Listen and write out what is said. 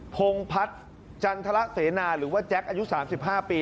พงพัฒน์จันทรเสนาหรือว่าแจ๊คอายุ๓๕ปี